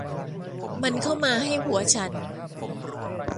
มันเข้ามาให้หัวฉัน